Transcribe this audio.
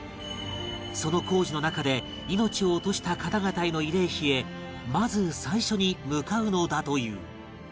その工事の中で命を落とした方々への慰霊碑へまず最初に向かうのだという